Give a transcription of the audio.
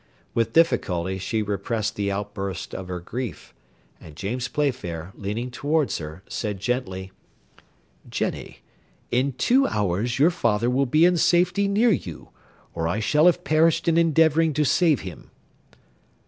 With difficulty she repressed the outburst of her grief, and James Playfair, leaning towards her, said gently: "Jenny, in two hours your father will be in safety near you, or I shall have perished in endeavouring to save him!"